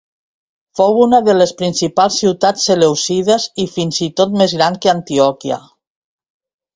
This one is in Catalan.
Fou una de les principals ciutats selèucides i fins i tot més gran que Antioquia.